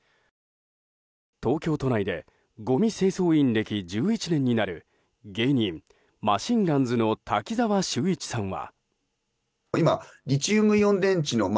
東京都内でごみ清掃員歴１１年になる芸人マシンガンズの滝沢秀一さんは。